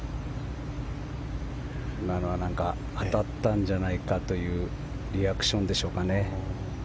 今のは当たったんじゃないかというリアクションでしょうかね。